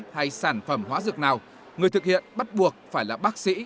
hay sản phẩm hóa dược nào người thực hiện bắt buộc phải là bác sĩ